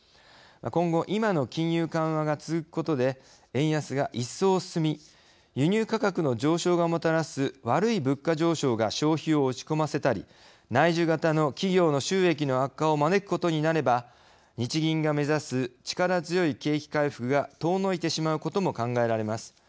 今後、今の金融緩和が続くことで円安が一層進み輸入価格の上昇がもたらす悪い物価上昇が消費を落ち込ませたり内需型の企業の収益の悪化を招くことになれば日銀が目指す力強い景気回復が遠のいてしまうことも考えられます。